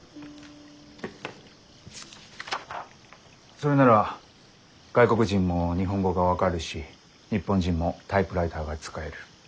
それなら外国人も日本語が分かるし日本人もタイプライターが使える。